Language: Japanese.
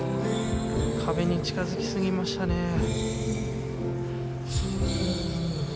壁に近づきすぎましたね。